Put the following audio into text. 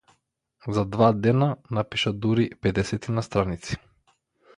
За два дена напиша дури педесетина страници.